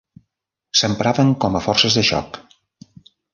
S'empraven com a forces de xoc.